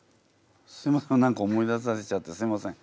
すいません何か思い出させちゃってすいません。